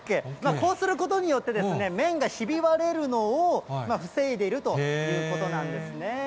こうすることによってですね、麺がひび割れるのを防いでいるということなんですね。